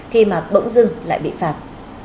khi mà bỗng dưng lại bị phạt